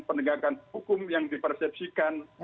penegakan hukum yang dipersepsikan